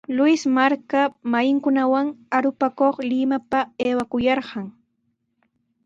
Luis marka masinkunawan arupakuq Limapa aywakuyarqan.